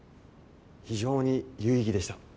非常に有意義でした。